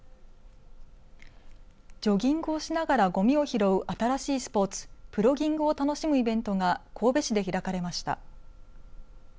ジョギングをしながらごみ拾う新しいスポーツプロギングを楽しむイベントが神戸市で開かれました。